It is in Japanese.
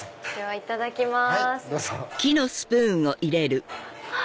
いただきます。